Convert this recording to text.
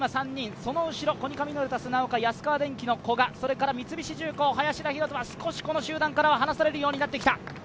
その後ろ、コニカミノルタ・砂岡安川電機・古賀、それから三菱重工林田洋翔は少し離されるようになってきた。